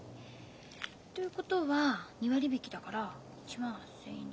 ということは２割引だから１万８，０００円でしょ。